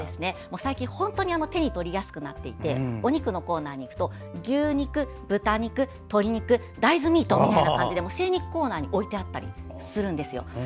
最近本当に手に取りやすくなっていてお肉のコーナーに行くと牛肉、鶏肉、豚肉大豆ミートみたいな感じで精肉コーナーに置いてあったりするんですよ。